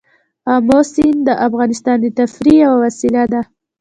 آمو سیند د افغانانو د تفریح یوه وسیله ده.